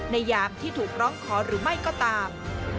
ยามที่ถูกร้องขอหรือไม่ก็ตาม